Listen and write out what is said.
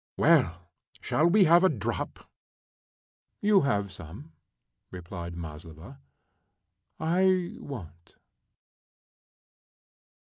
"Well, shall we have a drop?" "You have some," replied Maslova. "I won't."